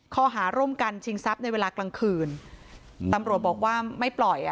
ข้อหาร่วมกันชิงทรัพย์ในเวลากลางคืนตำรวจบอกว่าไม่ปล่อยอ่ะ